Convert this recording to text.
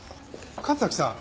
神崎さん